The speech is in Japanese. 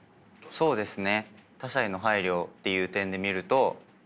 そうですよね。